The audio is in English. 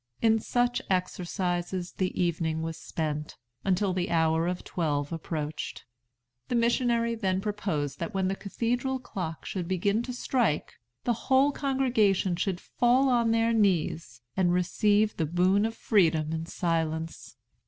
In such exercises the evening was spent, until the hour of twelve approached. The missionary then proposed that when the cathedral clock should begin to strike, the whole congregation should fall on their knees, and receive the boon of freedom in silence.